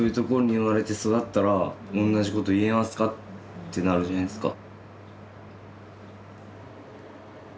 ってなるじゃないっすか。